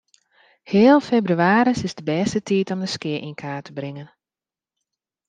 Heal febrewaris is de bêste tiid om de skea yn kaart te bringen.